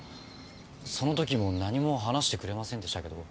その時も何も話してくれませんでしたけど。